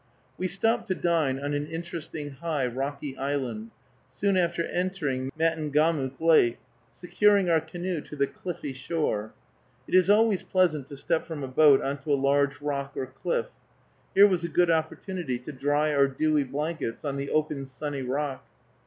We stopped to dine on an interesting high rocky island, soon after entering Matungamook Lake, securing our canoe to the cliffy shore. It is always pleasant to step from a boat on to a large rock or cliff. Here was a good opportunity to dry our dewy blankets on the open sunny rock.